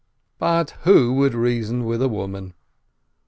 But who would reason with a woman?